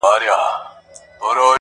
• زه د ګرېوان په څېرېدلو غاړه نه باسمه..